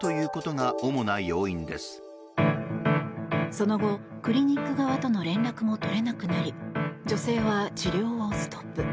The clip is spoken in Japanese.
その後、クリニック側との連絡も取れなくなり女性は治療をストップ。